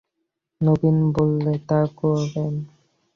নবীন বললে, তা করেন।